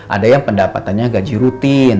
ada yang pendapatannya gaji rutin